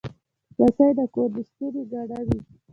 لمسی د کور د ستوني ګاڼه وي.